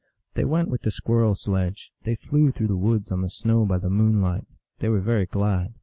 They went with the squirrel sledge ; they flew through the woods on the snow by the moonlight; they were very glad.